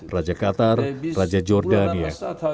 raja qatar raja jordania